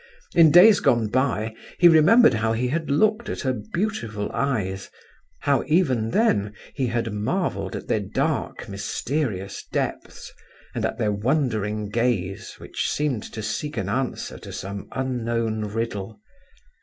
In days gone by he remembered how he had looked at her beautiful eyes, how even then he had marvelled at their dark mysterious depths, and at their wondering gaze which seemed to seek an answer to some unknown riddle.